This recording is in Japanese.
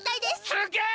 すげえ！